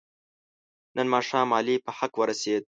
نن ماښام علي په حق ورسید.